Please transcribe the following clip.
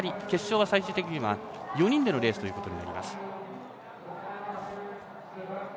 決勝は、最終的には４人でのレースとなります。